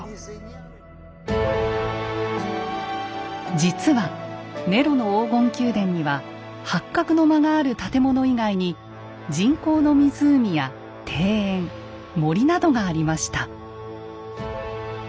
実はネロの黄金宮殿には八角の間がある建物以外に人工の湖や庭園森などがありました。